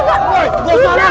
hari yang baru kemudian